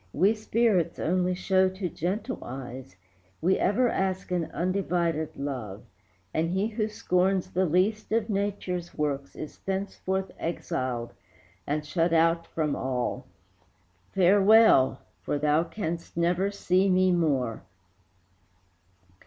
We spirits only show to gentle eyes. We ever ask an undivided love, And he who scorns the least of Nature's works Is thenceforth exiled and shut out from all. Farewell! for thou canst never see me more."